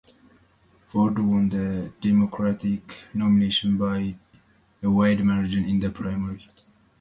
Ford won the Democratic nomination by a wide margin in the primary.